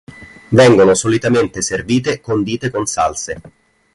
Vengono solitamente servite condite con salse.